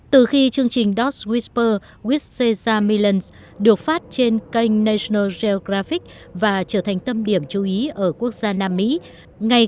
từ khi chương trình dog whisper with cesar millens được phát trên kênh national geographic và trở thành tâm điểm chú ý ở quốc gia nam mỹ